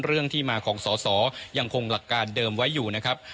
เรื่องที่มาของสอสอยังคงหลักการเดิมไว้อยู่นะครับ